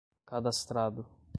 cadastrado